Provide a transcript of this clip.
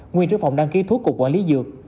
nguyên trưởng phòng đăng ký thuốc cục quản lý dược